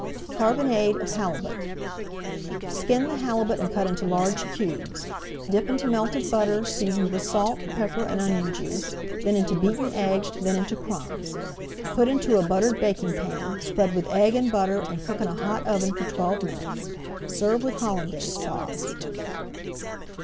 CARBONADE OF HALIBUT Skin the halibut and cut into large cubes. Dip into melted butter, seasoned with salt, pepper, and onion juice, then into beaten egg, then into crumbs. Put into a buttered [Page 194] baking pan, spread with egg and butter, and cook in a hot oven for twelve minutes. Serve with Hollandaise Sauce.